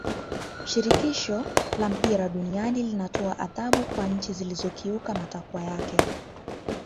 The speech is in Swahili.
shirikisho la mpira duniani linatoa adhabu kwa nchi zilizokiuka matakwa yake